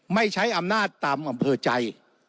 ไม่ใช้อำนาจตามอำเภอใจ